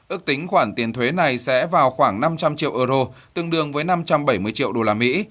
ước tính khoản tiền thuế này sẽ vào khoảng năm trăm linh triệu euro tương đương với năm trăm bảy mươi triệu đô la mỹ